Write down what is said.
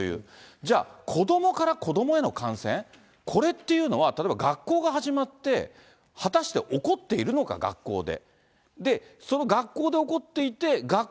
じゃあ、子どもから子どもへの感染、これっていうのは、例えば、学校が始まって、果たして起こっているのか、学校で。